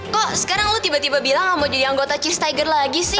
kok sekarang lo tiba tiba bilang gak mau jadi anggota cheese tiger lagi sih